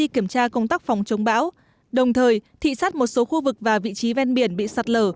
kiểm tra công tác phòng chống bão đồng thời thị sát một số khu vực và vị trí ven biển bị sạt lở